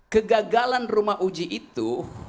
kegagalan rumah uji itu